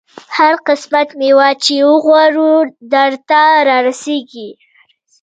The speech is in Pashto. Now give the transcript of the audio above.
هر قسم مېوه چې وغواړې درته رسېږي.